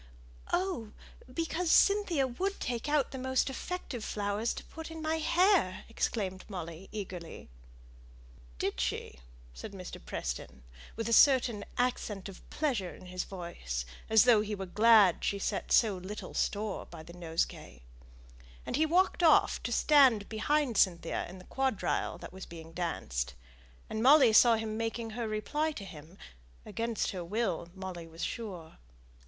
"Oh, because Cynthia would take out the most effective flowers to put in my hair!" exclaimed Molly, eagerly. "Did she?" said Mr. Preston, with a certain accent of pleasure in his voice, as though he were glad she set so little store by the nosegay; and he walked off to stand behind Cynthia in the quadrille that was being danced; and Molly saw him making her reply to him against her will, Molly was sure.